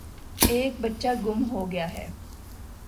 ایک بچہ گُم ہو گیا ہے۔